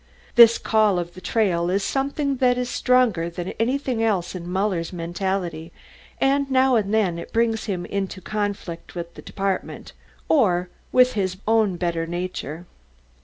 This call of the trail is something that is stronger than anything else in Muller's mentality, and now and then it brings him into conflict with the department,... or with his own better nature.